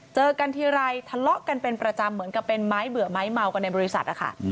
เจอกันทีไรทะเลาะกันเป็นประจำเหมือนกับเป็นไม้เบื่อไม้เมากันในบริษัทนะคะ